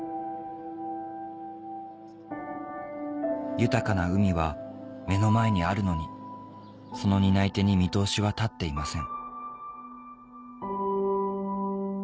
豊かな海は目の前にあるのにその担い手に見通しは立っていません